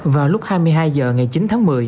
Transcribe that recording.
vào lúc hai mươi hai h ngày chín tháng một mươi